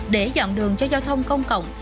để dọn đường cho giao thông công cộng